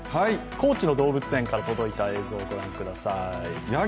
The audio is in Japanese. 高知の動物園から届いた映像、ご覧ください。